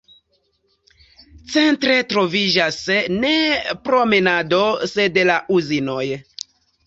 Centre troviĝas ne promenado sed la uzinoj.